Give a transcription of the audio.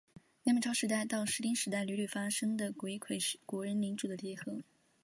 南北朝时代到室町时代屡屡发生的国一揆就是国人领主的结合。